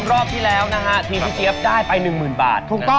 รอบที่แล้วนะฮะทีมพี่เจี๊ยบได้ไป๑หมื่นบาท